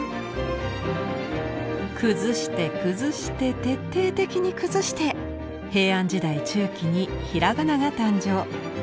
崩して崩して徹底的に崩して平安時代中期に平仮名が誕生。